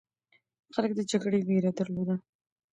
خلک د جګړې ویره درلوده.